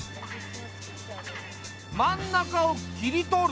真ん中を切り取る。